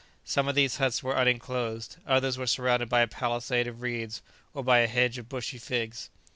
Some of these huts were unenclosed; others were surrounded by a palisade of reeds, or by a hedge of bushy figs.